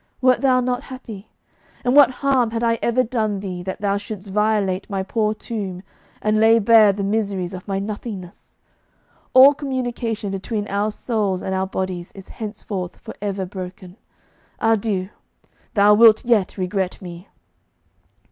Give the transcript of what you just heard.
Wert thou not happy? And what harm had I ever done thee that thou shouldst violate my poor tomb, and lay bare the miseries of my nothingness? All communication between our souls and our bodies is henceforth for ever broken. Adieu! Thou wilt yet regret me!